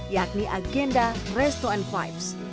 yakni agenda resto and vibes